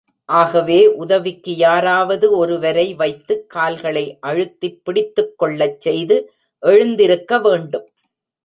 ஆகவே உதவிக்கு யாராவது ஒரு வரை வைத்து, கால்களை அழுத்திப் பிடித்துக் கொள்ளச் செய்து எழுந்திருக்க வேண்டும்.